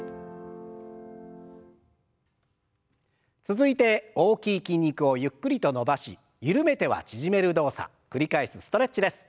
続いて大きい筋肉をゆっくりと伸ばし緩めては縮める動作繰り返すストレッチです。